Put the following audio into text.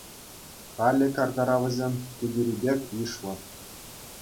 Халӗ картара вӗсем кӗтӳри пек йышлӑ.